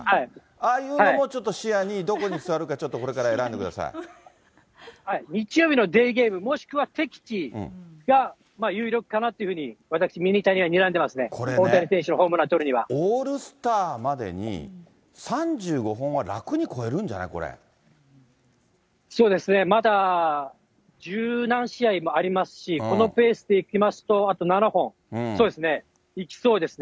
ああいうのも、ちょっと視野に、どこに座るか、これから選んでく日曜日のデーゲーム、もしくは適地が有力かなというふうに、私、ミニタニはにらんでますね、これね、オールスターまでに、３５本は楽に超えるんじゃない、そうですね、まだ十何試合ありますし、このペースでいきますと、あと７本、そうですね、いきそうですね。